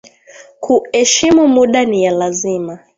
Kueshimu muda niya lazima